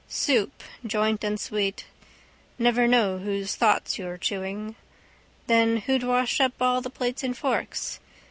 Soup, joint and sweet. Never know whose thoughts you're chewing. Then who'd wash up all the plates and forks?